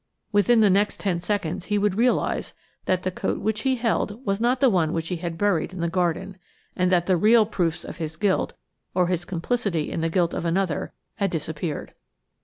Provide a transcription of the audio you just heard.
Within the next ten seconds he would realise that the coat which he held was not the one which he had buried in the garden, and that the real proofs of his guilt–or his complicity in the guilt of another–had disappeared.